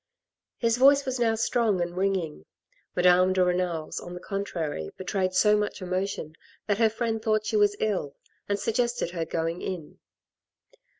His voice was now strong and ringing. Madame de Renal's, on the contrary, betrayed so much emotion that her friend thought she was ill, and sug gested her going in.